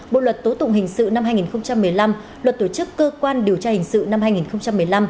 bộ luật tố tụng hình sự năm hai nghìn một mươi năm luật tổ chức cơ quan điều tra hình sự năm hai nghìn một mươi năm